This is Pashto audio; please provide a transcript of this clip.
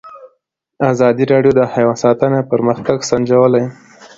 ازادي راډیو د حیوان ساتنه پرمختګ سنجولی.